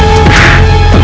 aku akan menang